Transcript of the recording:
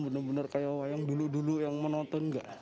bener bener kayak wayang dulu dulu yang menonton